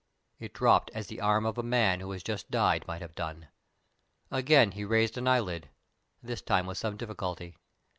It dropped as the arm of a man who had just died might have done. Again he raised an eyelid, this time with some difficulty.